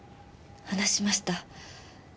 話しました。